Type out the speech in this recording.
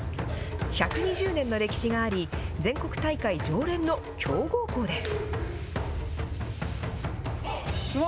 １２０年の歴史があり、全国大会常連の強豪校です。